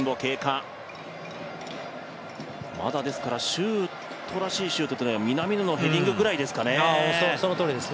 シュートらしいシュートというのが南野のヘディングぐらいですかね。